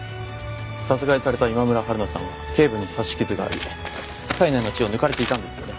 殺害された今村春菜さんは頸部に刺し傷があり体内の血を抜かれていたんですよね？